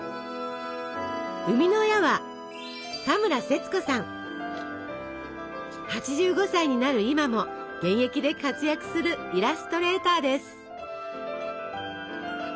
生みの親は８５歳になる今も現役で活躍するイラストレーターです。